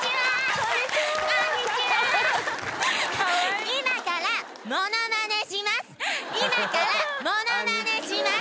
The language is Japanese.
今からモノマネします！